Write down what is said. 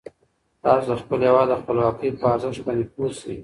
تاسو د خپل هیواد د خپلواکۍ په ارزښت باندې پوه شئ.